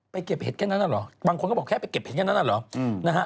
ไปเก็บเห็นแค่นั้นหรอบางคนก็บอกแค่ไปเก็บเห็นแค่นั้นหรอนะฮะ